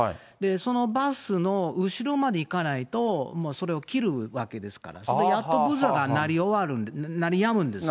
そのバスの後ろまで行かないと、それを切るわけですから、それでやっとブザーが鳴りやむんです。